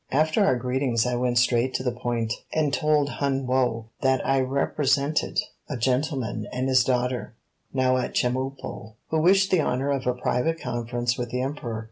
After our greetings I went straight to the point, and told Hun Woe that I represented a gentleman and his daughter, now at Chemulpo, who wished the honour of a private conference with the Emperor.